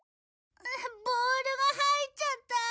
ボールが入っちゃった。